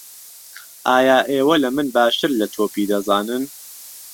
ئایا ئێوه له من باشتر له تۆپی دهزانن